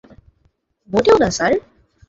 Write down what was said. মোটেও না, স্যার।